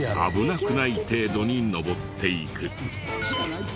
危なくない程度に登っていく。